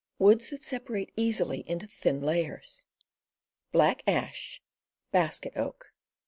Woods that Separate Easily into Thin Layers Black Ash, Basket Oak.